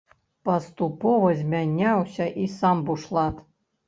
Паступова змяняўся і сам бушлат.